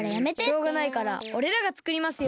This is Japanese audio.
しょうがないからおれらがつくりますよ。